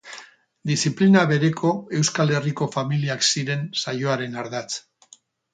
Diziplina bereko Euskal Herriko familiak ziren saioaren ardatz.